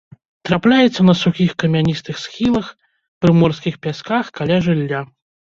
Трапляецца на сухіх камяністых схілах, прыморскіх пясках, каля жылля.